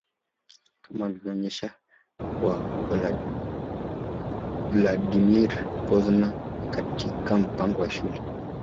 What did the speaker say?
kama walionyesha kwa Vladimir Pozner katika mpango wa Shule